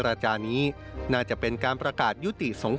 การพบกันในวันนี้ปิดท้ายด้วยการรับประทานอาหารค่ำร่วมกัน